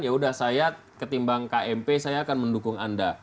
ya udah saya ketimbang kmp saya akan mendukung anda